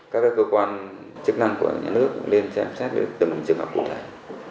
các cơ quan chức năng của nhà nước lên xem xét về tầm trường hợp của thầy